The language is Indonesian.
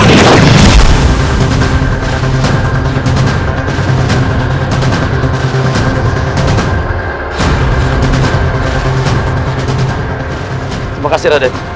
terima kasih raden